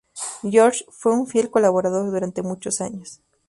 Georges fue un fiel colaborador durante muchos años.